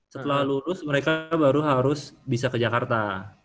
setelah lulus mereka baru harus bisa ke jakarta